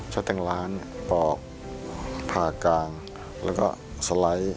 สลัดแตงล้านปลอกผ่ากลางและก็สไลด์